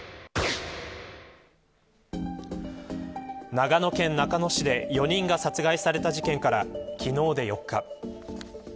長野県中野市で４人が殺害された事件から昨日で４日。